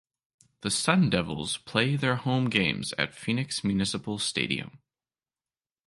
The Sun Devils play their home games at Phoenix Municipal Stadium.